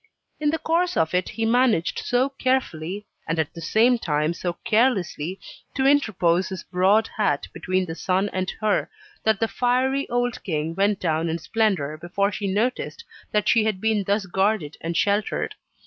In the course of it he managed so carefully, and at the same time so carelessly, to interpose his broad hat between the sun and her, that the fiery old king went down in splendour before she noticed that she had been thus guarded and sheltered.